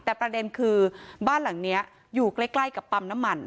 แต่ประเด็นคือบ้านหลังนี้อยู่ใกล้กับปั๊มน้ำมัน